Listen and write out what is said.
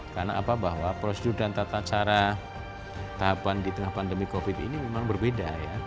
karena apa bahwa prosedur dan tata cara tahapan di tengah pandemi covid ini memang berbeda